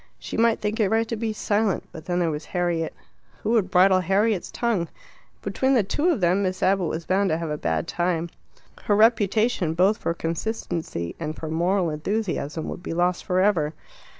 She might think it right to be silent, but then there was Harriet. Who would bridle Harriet's tongue? Between the two of them Miss Abbott was bound to have a bad time. Her reputation, both for consistency and for moral enthusiasm, would be lost for ever.